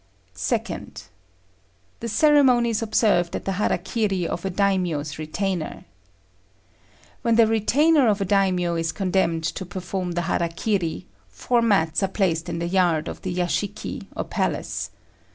2nd. The ceremonies observed at the "hara kiri" of a Daimio's retainer. When the retainer of a Daimio is condemned to perform the hara kiri, four mats are placed in the yard of the yashiki or palace.